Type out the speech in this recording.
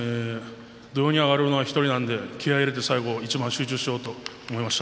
土俵に上がるのは、１人なので気合いを入れて一番集中しようと思いました。